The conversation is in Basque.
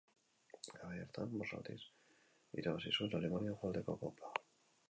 Garai hartan bost aldiz irabazi zuen Alemania hegoaldeko Kopa.